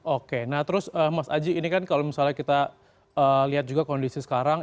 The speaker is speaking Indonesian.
oke nah terus mas aji ini kan kalau misalnya kita lihat juga kondisi sekarang